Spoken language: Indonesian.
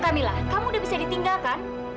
kamilah kamu udah bisa ditinggalkan